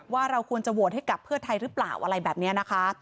ว่าเราควรจะโหวตให้กับเพื่อไทยหรือเปล่าอะไรแบบนี้นะคะ